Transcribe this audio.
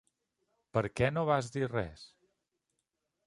Per què no vas dir res?